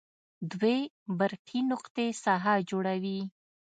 دوې برقي نقطې ساحه جوړوي.